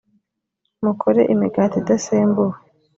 mukore imigati idasembuwe .